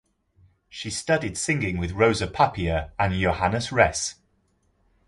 She studied singing with Rosa Papier and Johannes Ress.